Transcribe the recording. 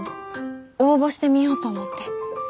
応募してみようと思って。